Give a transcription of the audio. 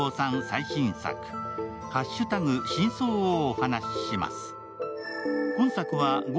最新作、「＃真相をお話しします」。